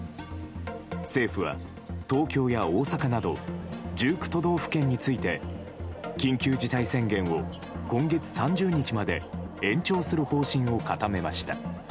政府は、東京や大阪など１９都道府県について緊急事態宣言を今月３０日まで延長する方針を固めました。